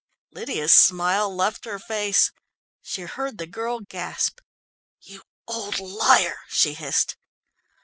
Lydia's smile left her face. She heard the girl gasp. "You old liar!" she hissed.